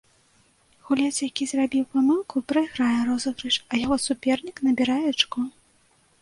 Гулец, які зрабіў памылку, прайграе розыгрыш, а яго супернік набірае ачко.